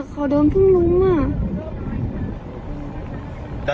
เขาเดินเพิ่งรุ้งอ่ะ